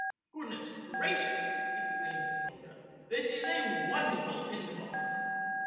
" "Goodness gracious!" exclaimed the soldier. "This is a wonderful tinder box."